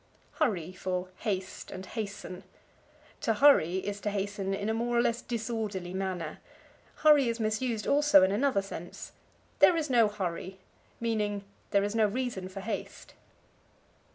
Hurry for Haste and Hasten. To hurry is to hasten in a more or less disorderly manner. Hurry is misused, also, in another sense: "There is no hurry" meaning, There is no reason for haste.